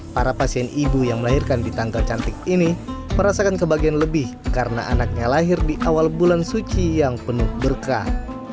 para pasien ibu yang melahirkan di tanggal cantik ini merasakan kebagian lebih karena anaknya lahir di awal bulan suci yang penuh berkah